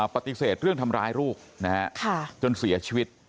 ปฏิเสธเรื่องทำร้ายลูกจนเสียชีวิต